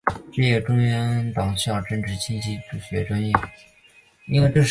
毕业于中央党校政治经济学专业。